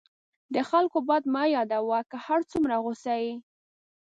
د خلکو بد مه یادوه، که هر څومره غصه یې.